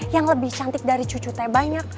yang lebih cantik dari cucu saya banyak